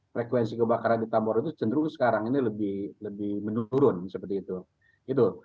frekuensi kebakaran di tambora itu cenderung sekarang ini lebih menurun seperti itu